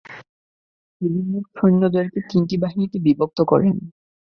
তিনি মোট সৈন্যদেরকে তিনটি বাহিনীতে বিভক্ত করেন।